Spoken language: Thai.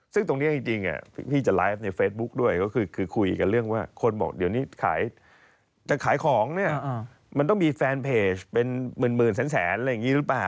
ซึ่งตรงนี้จริงพี่จะไลฟ์ในเฟซบุ๊คด้วยก็คือคุยกันเรื่องว่าคนบอกเดี๋ยวนี้ขายจะขายของเนี่ยมันต้องมีแฟนเพจเป็นหมื่นแสนอะไรอย่างนี้หรือเปล่า